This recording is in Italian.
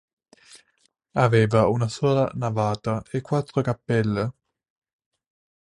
Aveva una sola navata e quattro cappelle.